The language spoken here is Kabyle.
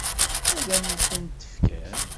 Ad m-tent-fken?